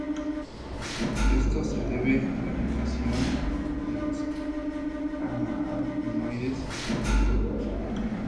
Esto se debe a la "liberación" de los cannabinoides del tejido graso.